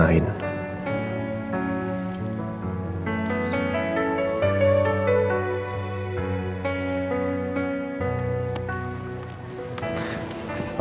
aku berangkat dulu ya